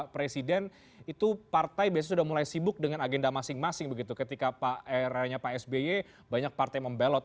presiden itu partai biasanya sudah mulai sibuk dengan agenda masing masing begitu ketika eranya pak sby banyak partai membelot